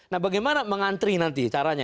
nah bagaimana mengantri nanti caranya